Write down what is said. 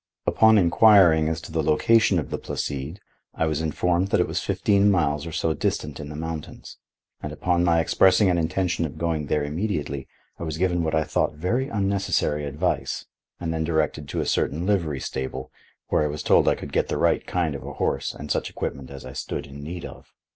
Upon inquiring as to the location of the Placide, I was informed that it was fifteen miles or so distant in the mountains, and upon my expressing an intention of going there immediately, I was given what I thought very unnecessary advice and then directed to a certain livery stable, where I was told I could get the right kind of a horse and such equipment as I stood in need of.